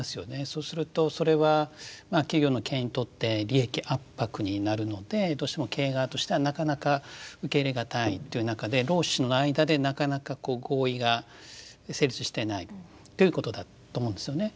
そうするとそれは企業の経営にとって利益圧迫になるのでどうしても経営側としてはなかなか受け入れ難いという中で労使の間でなかなかこう合意が成立してないということだと思うんですよね。